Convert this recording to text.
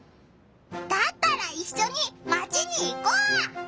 だったらいっしょにマチに行こう！